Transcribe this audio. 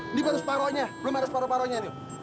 ini baru sparonya belum ada sparonya